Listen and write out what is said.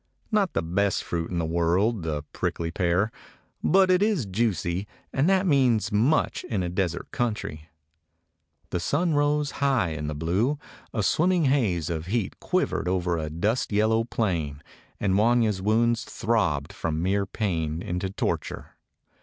Not the best fruit in the world, the prickly pear, but it is juicy, and that means much in a desert country. The sun rose high in the blue. A swim 177 DOG HEROES OF MANY LANDS ming haze of heat quivered over the dust yel low plain, and Wanya's wounds throbbed from mere pain into torture.